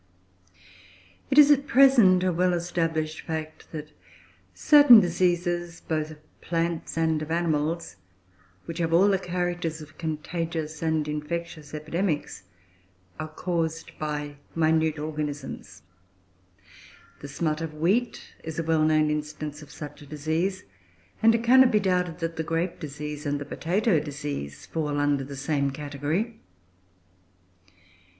It is, at present, a well established fact that certain diseases, both of plants and of animals, which have all the characters of contagious and infectious epidemics, are caused by minute organisms. The smut of wheat is a well known instance of such a disease, and it cannot be doubted that the grape disease and the potato disease fall under the same category.